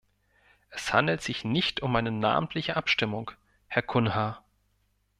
Es handelt sich nicht um eine namentliche Abstimmung, Herr Cunha!